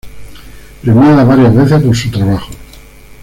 Premiada varias veces por su trabajo.